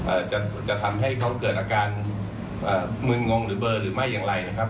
จะจะทำให้เขาเกิดอาการเอ่อมึนงงหรือเบอร์หรือไม่อย่างไรนะครับ